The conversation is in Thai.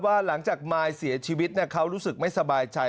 หลังจากมายเสียชีวิตเขารู้สึกไม่สบายใจ